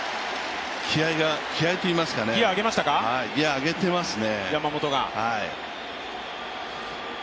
気合いといいますか、山本がギア上げてますね。